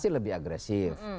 tapi lebih agresif